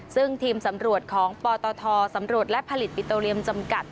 ซึ่งทีมสำรวจของปตทสำรวจและผลิตปิโตเรียมจำกัด